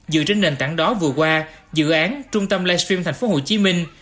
dự trình nền tảng đó vừa qua dự án trung tâm live stream thành phố hồ chí minh